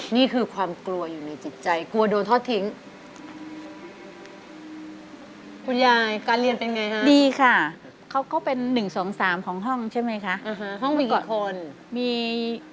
นี่คือความกลัวอยู่ในจิตใจ